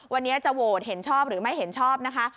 วันนี้จะโหวตเห็นชอบหรือไม่เห็นชอบนะคะ